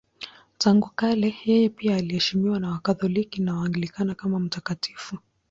Tangu kale yeye pia anaheshimiwa na Wakatoliki na Waanglikana kama mtakatifu.